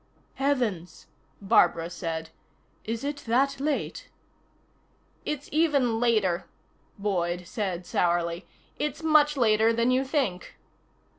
"Heavens," Barbara said. "Is it that late?" "It's even later," Boyd said sourly. "It's much later than you think."